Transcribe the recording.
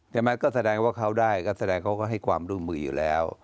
ใช่ไหมก็แสดงว่าเขาได้ก็แสดงเขาก็ให้ความร่วมมืออยู่แล้ว